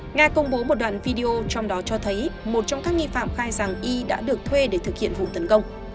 nga công bố một đoạn video trong đó cho thấy một trong các nghi phạm khai giảng y đã được thuê để thực hiện vụ tấn công